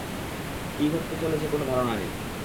কী ঘটতে চলেছে কোনও ধারণা নেই।